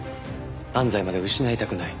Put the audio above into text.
安西まで失いたくない。